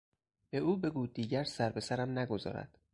به او بگو دیگر سر به سرم نگذارد!